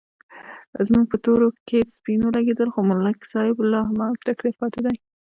زموږ په تورو کې سپین ولږېدل، خو ملک صاحب لا هماغسې تکړه پاتې دی.